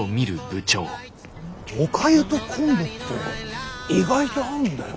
おかゆと昆布って意外と合うんだよな。